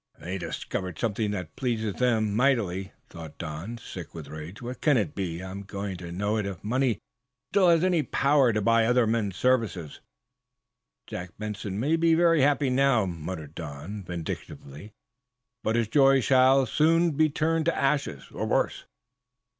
"They've discovered something that pleases them mightily," thought Don, sick with rage. "What can it be? I'm going to know, if money has still any power to buy other men's services." "Jack Benson may be very happy now," muttered Don, vindictively, "but his joy shall soon be turned to ashes or worse."